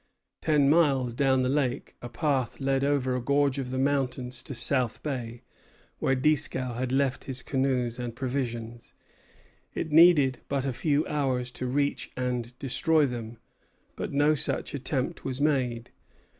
Ten miles down the lake, a path led over a gorge of the mountains to South Bay, where Dieskau had left his canoes and provisions. It needed but a few hours to reach and destroy them; but no such attempt was made.